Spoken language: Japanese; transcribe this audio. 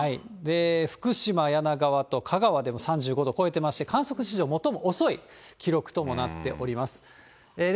福島・梁川と香川でも３５度超えてまして、観測史上最も遅い記録ともなっておりまして。